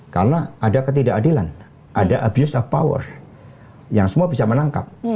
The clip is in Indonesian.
karena ada ketidakadilan ada abuse of power yang semua bisa menangkap